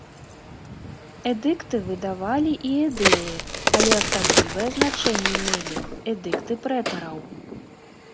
Эдыкты выдавалі і эдылы, але асаблівае значэнне мелі эдыкты прэтараў.